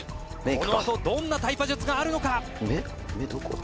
「このあとどんなタイパ術があるのか？」